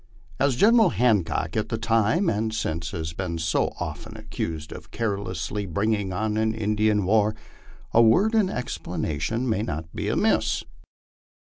As General Hancock at the time and since has been so often accused of causelessly bringing on an Indian war, a word in explanation may not be amiss.